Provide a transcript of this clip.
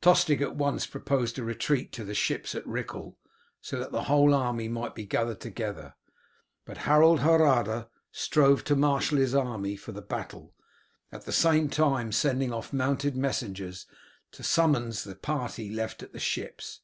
Tostig at once proposed a retreat to the ships at Riccall, so that the whole army might be gathered together, but Harold Hardrada strove to marshal his army for the battle, at the same time sending off mounted messengers to summons the party left at the ships.